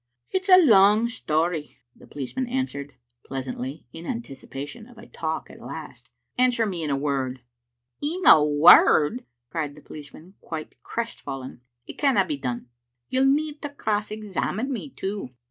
"It's a long story," the policeman answered, pleas antly, in anticipation of a talk at last. " Answer me in a Word. "" In a word !" cried the policeman, quite crestfallen. " It canna be done. You'll need to cross examine me, too.